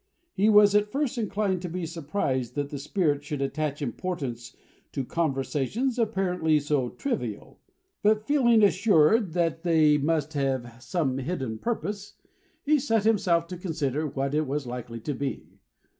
He was at first inclined to be surprised that the Spirit should attach importance to conversations apparently so trivial; but feeling assured that they must have some hidden purpose, he set himself to consider what it was likely to be.